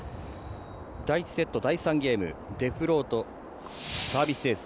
第１セット第３ゲームデフロート、サービスエース。